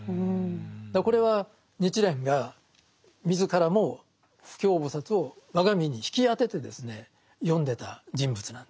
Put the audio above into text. これは日蓮が自らも不軽菩薩を我が身に引き当てて読んでた人物なんです。